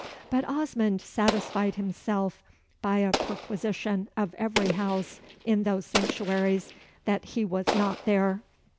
But Osmond satisfied himself, by a perquisition of every house in those sanctuaries, that he was not there.